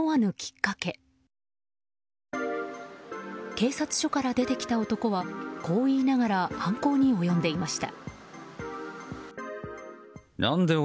警察署から出てきた男はこう言いながら犯行に及んでいました。